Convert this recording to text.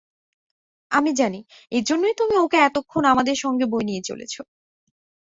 আমি জানি এইজন্যই তুমি ওকে এতক্ষণ আমাদের সঙ্গে বয়ে নিয়ে চলেছ!